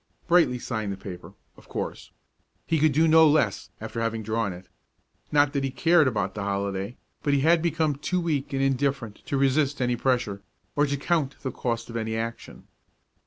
Brightly signed the paper, of course. He could do no less after having drawn it. Not that he cared about the holiday; but he had become too weak and indifferent to resist any pressure, or to count the cost of any action.